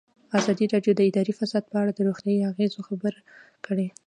ازادي راډیو د اداري فساد په اړه د روغتیایي اغېزو خبره کړې.